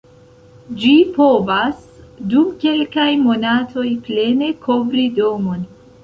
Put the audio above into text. Ĝi povas dum kelkaj monatoj plene kovri domon.